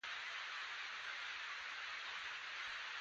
چې د ورېښمینو لیکونو د دسیسې تر ټولو مهم سړی و.